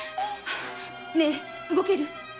ねえ動ける？